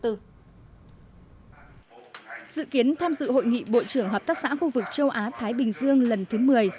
dự kiến tham dự hội nghị bộ trưởng hợp tác xã khu vực châu á thái bình dương lần thứ một mươi